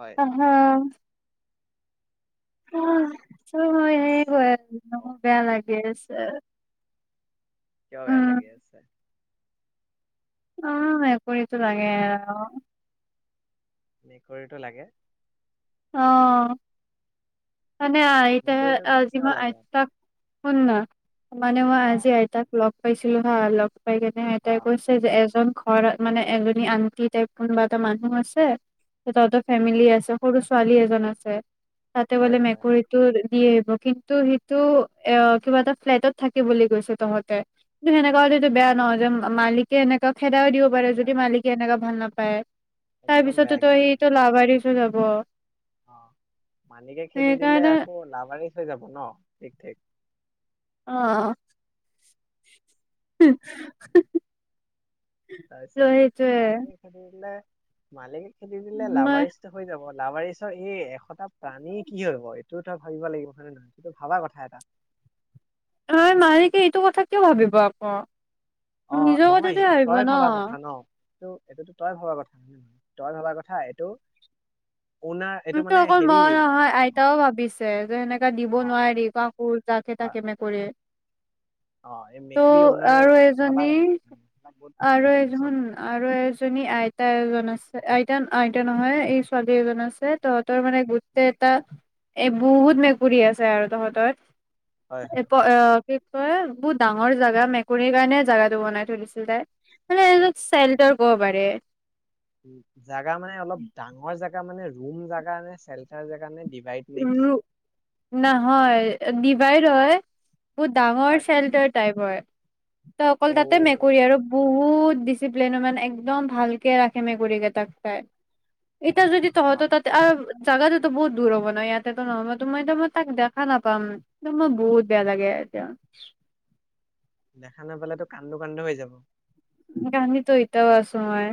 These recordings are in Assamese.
হয় হা উম চ হয় য়েছ গই অ বেয়া লাগি আছে কিয় বেয়া উম লাগি আছে অ মেকুৰীটো লাগে মেকুৰীতো লাগে অ মানে আইতাই মেকুৰীটো আজি কিয় মই লাগে আইতাক শূন্য মানে মই অ আজি এটা লগ পাইছিলো হা লগ পাই কেনে আই অ তাই কৈছে যে এজন ঘৰত মানে এজনী আনন্টি টাইপ কোনবা এটা মানুহ আছে তঁহতৰ উম ফেমিলি আছ ছোৱালী এজন আছে তাতে হয় বোলে হয় মেকুৰীটো দি আহিব কিন্তু সেইটো এ কিবা এটা ফ্লেটত থাকে বুলি কৈছে তহতে কি সেনেকা বয়া অ, নহয় যে মালিক কেনেকা খেদাইও দিব পাৰে যদি ইয়াৰ মালিকে এনেকা ভাল নাপায় পায় তাৰ একদম পিছত বেয়া তই একদম সি তটো বেয়া লবাৰীৰ মালিকে ওচৰত খেদি যাব অ মালিকে খেদি দিলে সেইকাৰণে আকৌ লাভাৰি হৈ যাব ন ঠিক ঠিক অ উ তাপিছত মালিকে খেদি দিলে মালিক খেদি দিলে মই লাভাৰিস্থ হৈ যাব লাবাৰিছৰ এই এশটা প্ৰাণী কি হব এইটো তই ভাবিব লাগিব হয়ে নহয় সটো ভবা কথা এটা হয় মালিকে এইটো কথা কিয় ভাবিব আকৌ অ নিজৰ নহয় কথাতে সেইটোত ভাবিব তই ন ভবা কথা ন এইটো এইটোতো তই ভবা কথা নে নহয় তই ভবা কথা এইটো অ'নাৰ এইটো তোৰতো মানে অকল হেৰি মন নহয় আইতাও ভাবিছে যে সেনেকা অ দিব নোৱাৰি কাকো যাকে হয় তাকে এনেকৈ অ এই ত' মেকৰী অ'নাৰ আৰু ভাবা এজনী কথা উম, এইবিলাক বহুত আৰু টেনচন এজন আৰু এজনী উম, আইতা এজন আছে আইতা আইতা নহয় এই স্বগী এজন আছে হয় তহতৰ মানে উম, গুত্তে তাত এই বহুত মেকুৰী আছে আৰু তহঁতৰ হয় এ হয় উম, কি কয় বহুত ডাঙৰ জোগা মেকুৰীৰ কাৰণে জোগাটো বনাই থয়ডিছিলে মানে এ চেল্টৰ ক'ব পাৰে জোগা মানে অলপ ডাঙৰ জাগা মানে ৰুম জোগা নে সেলটৰ জেগা নে ডিভাইড নে উ কি নহয় দি বাইিৰয় বহুত ডাঙৰ হয় চেলটাৰ টাইপ হয় ত অকল অ তাতে মেকুৰী আৰু বহুত ডিচিপ্লিনো মানে একদম ভালকে ৰাখে মেকুৰীকেইটাক চাই এতি যদি তহঁত বাহ, তাতে আৰু জাগটো টো বহুত দূৰ হব ইয়াতেতো নহ'ব তোমাক টো মই তাত দেখা নাপাম ত মোক বহুত বেয়া লাগে দেখা নাপালেতো কান্দো কান্দো হৈ যাবা কন্দিটো এতিয়াও আছোঁ মই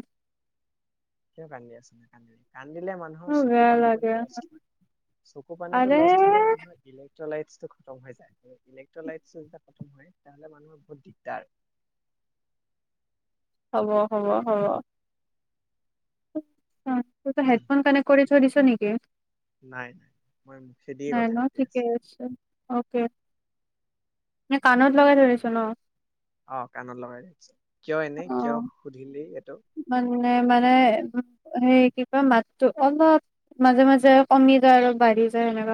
কিয় কান্দি আছা কান্দিলে মানুহৰ মোৰ চকু বেয়া পানীটো লাগে লষ্ট হয় চকু পানীটো আৰে লষ্ট হ'লে মানুহৰ ইলেক্ট্ৰলাইট টো গম পাইছা ইলেক্ট্ৰলাইট খতম হলে মানুহৰ বহুত দিগদাৰ হ'ব হ'ব হ'ব [unintelligible] অ তইতো হেডফোন কানেক্ট কৰি থৈ দিছ নেকি এ নাই নাই মই মুখেদিয়ে নাই কথা ন পাতি আছো ঠিকে আছে অকে নে কাণত লগাই থৈ দিছ ন অ কাণত লগাইছো কিয় এনে কিয় সুধিলি এইটো বাল মে মানে হেই কি কই হে কিবা মাততো অলপ মাজে মাজে কমি যায় অলপ বাঢ়ি যায় সেনেকে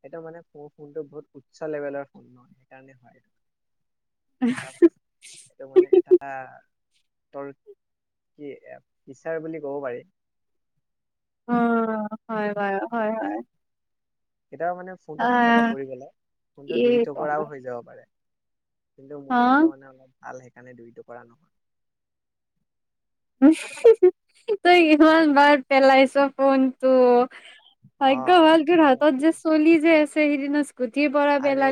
সেইটো মানে মোৰ ফোনটো বহুত উচ্চ লেভেলৰ ফোন হয় সেইকাৰণে হয় ত এইটো মানে এটা ত কি বিচাৰ বুলি ক'ব পাৰি অ হয় বাৰু অ হয় হয় কেতিয়াবা মানে ফোনটো সাতৰ আহ পৰা পৰি গ'লে ফোনটো কি দুই কম টুকুৰাও আৰু হৈ যাব পাৰে কিন্তু মোৰ হা ফোন টো মানে অলপ ভাল সেইকাৰণে দুই টুকুৰা নহয় তই ইমান বাৰ পেলাইছ ফোনটো অ ভাগ্য ভাল তোৰ হাতত যে চলি যে আছে সেইদিনা আৰে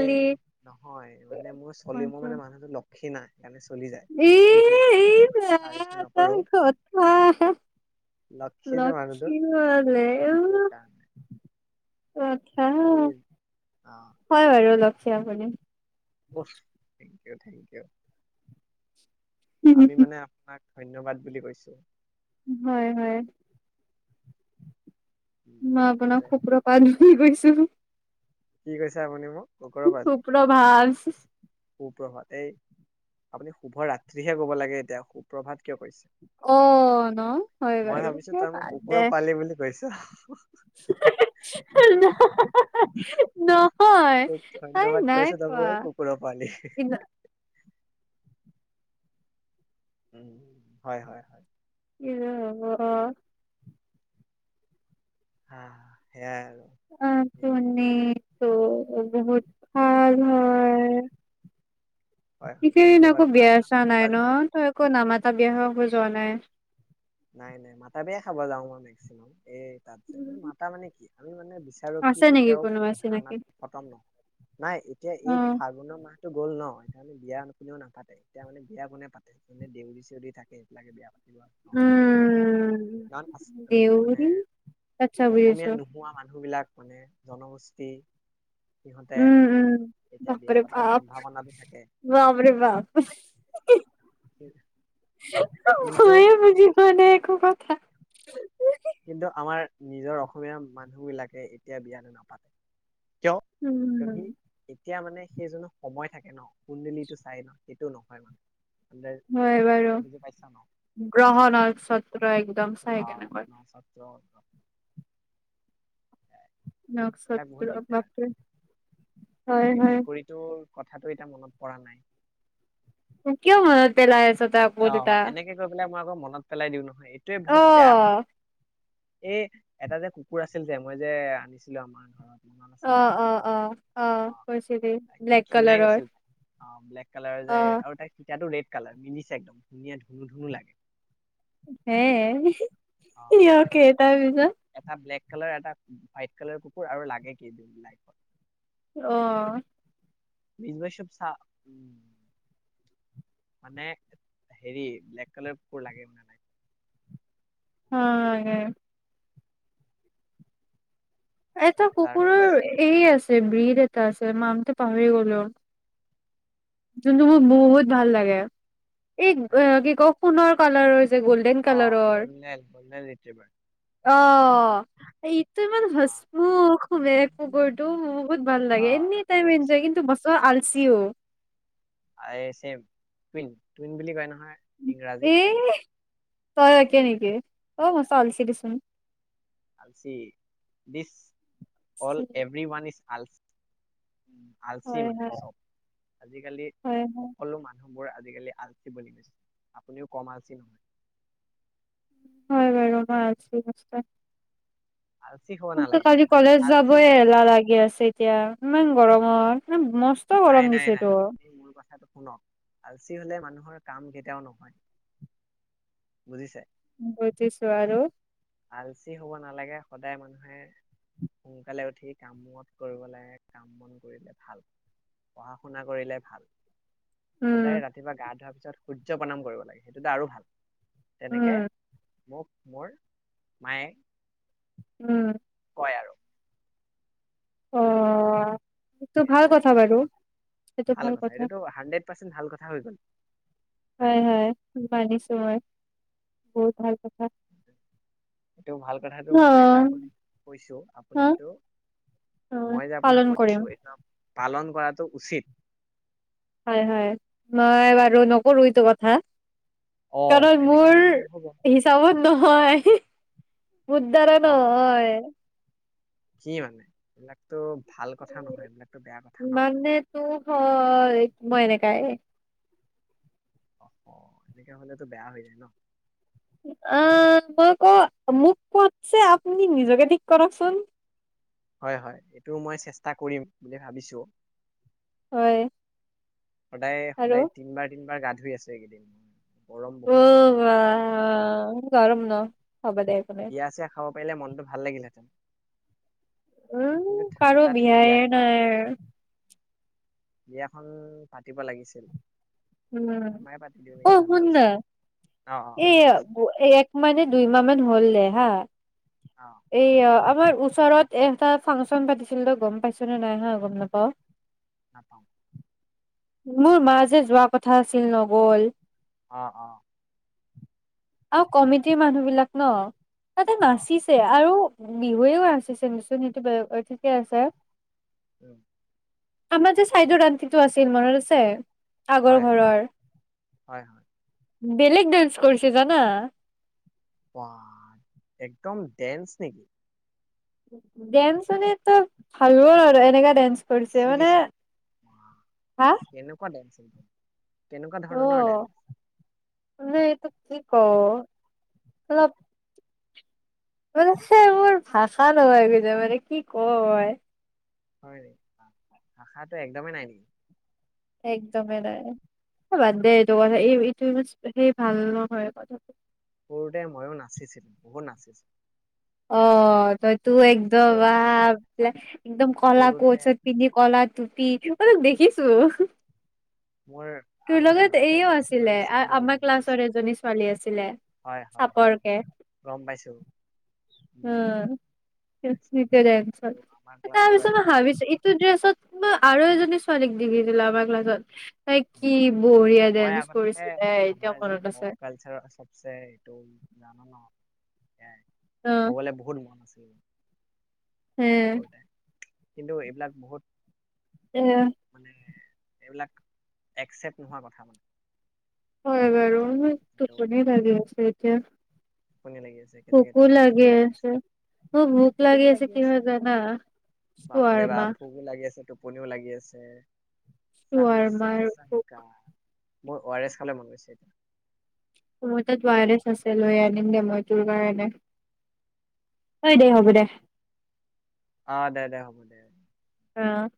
নহয় মানে মোৰ চলিবলে মোৰ মানে মানুহটো লক্ষী নাই হেইয়ে এএ তাৰিফটো বৰ নকৰো তাৰ কথা লক্ষী যে মানুহটো লক্ষী বোলে উ সেইকাৰণে কথা এই হয় বাৰু অলপ অঁ [unintelligible] অ থেংক ইউ থেংক ইউ আমি মানে আপোনাক ধন্যবাদ বুলি কৈছোঁ হয় হয় উম মা আপোনাৰ সেইটোৱে সুপ্ৰপাত ধই গৈছে গুহ কি কৈছো আপুনি মোক গগৰ সু বালি সুপ্ৰভাৱ সুপ্ৰভাত এই আপুনি শুভ ৰাত্ৰিহে কব লাগে এতিয়া সুপ্ৰভাত কিয় কৈছে অ ন হয় বাৰু স পাদ দে ত ন [unintelligible] ত ধন্যবাদ কৈছো তাপো কোৱা এই কুকুৰৰ পোৱালি ইন- উ হয় হয় হয় এ হব হ সেয়াই আৰু অ এই তোনি ত বহুত ভাল হয় হয় হয় সিকেইদিন ধন্যবাদ আকৌ মই বিয়া আপোনাক চোৱা বহুত নাই বাৰ ন ধন্যবাদ তই আকৌ নামাটা বিয়া হ নাই খোজোৱা নাই খাবা যা মে্কচিমাম এ তাত যে মানে মাতা মানে কি আমি মানে বিচাৰো কি আছে নেকি কেতিয়াও কোনোবা চিনাকি খানাটো খতম নহয় নাই এতিয়া অ এই ফাগুনৰ মাহ টো গ'ল নহয় সানে বিয়া কোও নাপাতে এতিয়া মানে বিয়া কোনে পাতে মনে দেউৰী চেউৰি থাকে সেইবিলাকে বিয়া পাতে মানে উম দেউৰী আচ্ছা অসমীয়া বুজিছো নোহোৱা মানুহ বিলাক মানে জনগোষ্ঠী সিহঁতে উম উম এতিয়া বিয়া পাতাৰ সম্ভাৱনা বি থাকে বামৰে বাপ কিন্তু ময় বুজি মনে একো কথা কিন্তু আমাৰ নিজৰ অসমীয়া মানুহবিলাকে এতিয়া বিয়াানো নাপাতে কিয় কিয়কি উম এতিয়া মানে সেইজনো সময় থাকে ন কুন্দিলিটো চাই ন সেইটো নহয় মানে আন্দাজ হয় মানে বাৰ বুজি পাইছা ন গ্ৰহণ ছত্ৰ একদম চাই অ কেনেকৈ ন ন নহ হয় বাকী হয় মেকুৰীটোৰ কথাটো এতিয়া মনত পৰা নাই। কিয় মনত পেলাই আছে। অ এনেকে কৈ পেলাই মই আকৌ মনত পেলাই দিওঁ নহয় এইটোয়ে অ বহুত বেয়া কথা এই এটা যে কুকুৰ আছিল যে মই যে আনিছিলো আমাৰ ঘৰত। মনত আছা অ নাই অ অ অ কৈছিলি তাই ব্লেক ক্ষীণাই কালাৰৰ গৈছিল অ ব্লেক কালাৰ যে অ আৰু তাই সতটো ৰেড। কালাৰ তিনি একদম ধুনীয়া ধুনু ধুনু লাগে। হে অ ই অকেইটা বিছ এটা ব্লেক কালাৰ এটা হোৱাইট কালাৰ কুকুৰ আৰু লাগে কি দু লাইত। অহ বিশছব চপ চ মানে হেৰি ব্লেক কালাৰবোৰ লাগে মানে নাই অ হে এটা তাৰ পিছ কুকুৰৰ এৰি আছে। বড এটা আছে মই মনতে পাহৰি গ'লো যোনটো মোৰ বহুত ভাল লাগে এই হয় নেকি? কি ক। সোণৰ কলাৰ ৰ। অ বন বন নিটিব পাৰি অ এই ত ইমান অ', ভ্মো খুবে কুকুৰটো বহুত ভাল অ লাগে এনি মোৰ টাইম এনজয় নিচিনা কিন্তু বছৰ আলচিও। টুইন টুইন বুলি কয় ন, এ যে তই একে নেকি অ মই চালছিল দিচোন আলচি বিছ অল এভৰি ৱান ইজ আল। উ আলচি হয় মানে হয় চব আজিকালি হয় হয় সকলো মানুহ মই আজিকালি আলচি বুলি কৈছে আপুনিও কম আলচি নহয় ব ৰ মই আছে নস আলচি হ'ব মোৰতো নালাগে কালি মানুহ কলেজ আলচি যাবই এলা লাগি আছে। এতিয়া ইমান গৰমত। মসষ্ট নাই গৰম নাই দিছে নাই তো। আপুনি মোৰ কথাটো শুনক আলচি হলে মানুহৰ কাম কেতিয়াও নহয়, বুজিছে বতিছোৱাৰ আৰু আলচি হব নালাগে সদায় মানুহে সোনকালে উঠি কামত কৰিব লাগে কাম বন কৰিলে ভাল পঢ়া শুনা কৰিলে ভাল। উম সদায় ৰাতিপুৱা গা ধোৱা সূৰ্য্য প্ৰণাম কৰিব লাগে সেইটো আৰু ভাল তেনেকে উম মোক মোৰ মায়ে উম হয় আৰু অ সেইটো ভাল সেইটোৱে কথা বাৰু ভাল কথা এইটোতো হানড্ৰেড পাৰ্চেণ্ট ভাল কথা হৈ গল হয় হয় মানিচো হয় বহুত ভাল প এইটো ভাল কথাটো মই এটা অ', আপ কৈছো আপুনি এইটো উ মই যে আপোনাক পালন কৈছো কৰিম এইটো পালন কৰাটো উচিত হয় হয় মই বাৰু নকৰো এইটো কথা অ কাৰণ এনেকে মোৰ হলেতো নহব হিচাপত নহয় সিক উদদাৰ ন খাওঁ হয় [unintelligible] কি মানে এইবিলাকতো ভাল কথা নহয় এইবিলাকতো বেয়া কথা ন মানে তোৰ হয় মই এনেকাই অ এনেকে হলেতো বেয়া হৈ যায় ন অ মই ক মোক কতছে আপুনি নিজকে ঠিক কৰকচোন হয় হয় এইটো মই চেষ্টা কৰিম বুলি ভাবিছোঁ হয় সদায় আৰু সদায় তিনিবাৰ তিনিবাৰ গাত ধুই আছে এই কেইদিন অ আৰাম না হ'ব দে দে পাৰে মনটো ভাল লাগিলহেঁতেন উম কিন্তু কাৰো ঠাণ্ডাতহে বিয়ায়ে বিয়াটো নাই আহে বিয়াখন পাতিব লাগিছিল উম মায়ে পাতি দিওঁ অ নেকি ভাবি শুন ন আছো অ অ এই কচোন এক মাহে দুই মাহ মান হ'ল দেহা অ এয়া আমাৰ ওচৰত এটা ফাংচন পাতিছিল তই গম পাইছ নে নাই হা গম নাপাও নাপাম মোৰ মা যে যোৱা কথা আছিল নগ'ল। অ-' অ' আৰু কমিটিৰ মানুহ বিলাক ন। তাতে অ নাচিছে আৰু বিহুৱেও আছেচোন সেইটো ঠিকে আছে। উম। আমৰ যে চাইদৰ আন্টিটো আছে। মনত আছে। আগৰ হয়- ঘৰৰ হয় বেলেগ ডান্স কৰিছে জানা, ৱা একদম ডেন্স নেকি! ডেন্স মানে তো ভালো আৰু এনেকা ডেন্স। কৰিছে নাচি মানে দিছে হা? উ [inaudible] কেনেকুৱা ধৰণৰ ডান্স? মই এইটো কি ক ' অলপ মানে সেইবোৰ ভাষা নহয় মানে কি কয়। হয় নি ভাষা টো একদমেই নাই নেকি? একদমেই নাই বাদ দে এইটো কথা এই এইটো সেই ভাল নহয় কথাটো। সৰুতে ময়ো নাচিছিলো বহুত নাচিছিলো। অ ' তই তোৰ একদম মোৰ এটা বাপৰে টাইম একদম কলা সৰুতে কৈছে পিন্ধে ক'লা টুপী অলপ দেখিছো। মোৰ তোৰ আগতে লগত মাইকেল এইও জেকচনৰ আছিলে নিচিনা হবলৈ আমাৰ মন ক্লাছৰ গৈছিল এজনী ছোৱালী আছিলে হয় হয় হয় চাপৰকে। গম পাইছো অ উম পাইছো আৰু আমাৰ ক্লাছৰো তাৰপিছত এটা মই আছিল ভাবিছো ইটো ড্ৰেছত আৰু এজনী কোন জনী ছোৱালীক ডিগ্ৰী দিলে আমাৰ ক্লাছত? তাই কি বঢ়িয়া মই ডেন্স আগতে কৰিছিলে এতিয়া আমাৰ যে মনত আছে প'প কালচাৰৰ চবচে এইটো জানো ন! উম। হ'বলে বহুত মন আছে। উম' উম' কিন্তু এইবিলাক বহুত অ ' মানে এইবিলাক একচেপ্ট নোহোৱা কথা মানে। হয় বাৰু টোপনি লাগি আছে। কিয় টোপনি লাগি আছে কেনে টোপো টোপো লাগি আছে মোৰ ভোক টোপো টোপ আছে লাগি আচে কিহৰ জানা? বাপ ৰে বা চোৱাৰমা, ভোকো লাগি আছে টোপনিও লাগি আছে। কেঁচা শুনিছে শৰ্ৱৰ্মা কেঁচা [inaudible] শিকা। মোৰ অ আৰ এছ খাৱলৈ মন গৈছে এতিয়া মোৰ তাত অ আৰএছ আছে লৈ আনিম দে মই তোৰ কাৰণে হয় ঐ দেই হ'ব দে অ দে দে হ'ব দে আহ